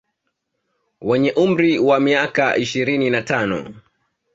Wenye umri wa miaka ishirini na tano